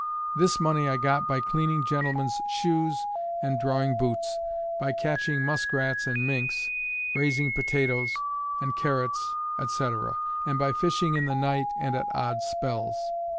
This money I got by cleaning gentlemen's shoes and drawing boots, by catching musk rats and minks, raising potatoes and carrots, &c. and by fishing in the night, and at odd spells.